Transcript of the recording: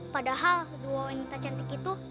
padahal kedua wanita cantik itu